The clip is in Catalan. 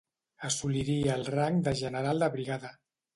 Assoliria el rang de general de brigada.